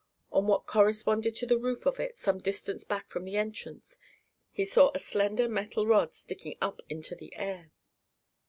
On what corresponded to the roof of it, some distance back from the entrance, he saw a slender metal rod sticking up into the air.